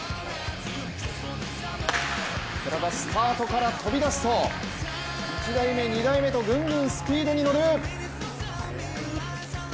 寺田、スタートから飛び出すと１台目、２台目とぐんぐんスピードに乗る。